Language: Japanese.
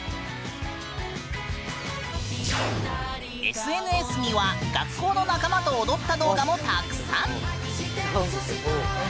ＳＮＳには学校の仲間と踊った動画もたくさん！